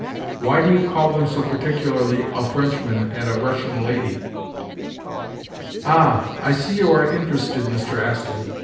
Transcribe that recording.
Why do you call them so particularly a 'Frenchman' and a 'Russian lady'?" "Ah, I see you are interested, Mr. Astley.